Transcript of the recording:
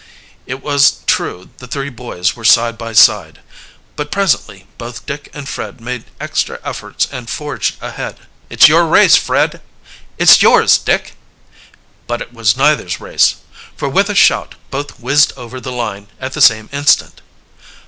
It was true the three boys were side by side. But presently both Dick and Fred made extra efforts and forged ahead. "It's your race, Fred!" "It's yours, Dick!" But it was neither's race for with a shout both whizzed over the line at the same instant.